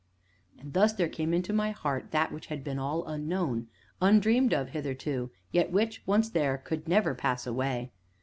And thus there came into my heart that which had been all unknown undreamed of hitherto, yet which, once there, could never pass away.